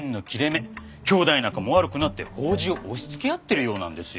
兄妹仲も悪くなって法事を押しつけ合ってるようなんですよ。